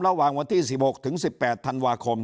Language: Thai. ระหว่างวันที่สิบหกถึงสิบแปดทันวาคม